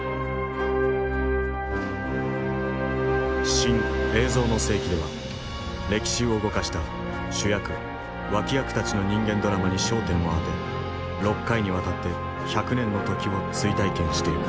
「新・映像の世紀」では歴史を動かした主役脇役たちの人間ドラマに焦点を当て６回にわたって百年の時を追体験していく。